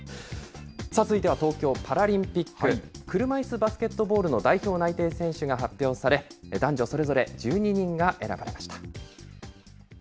さあ、続いては東京パラリンピック、車いすバスケットボールの代表内定選手が発表され、男女それぞれ１２人が選ばれました。